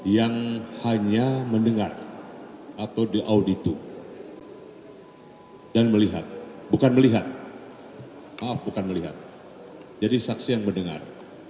yang hanya mendengar atau diauditu dan melihat bukan melihat maaf bukan melihat jadi saksi yang mendengar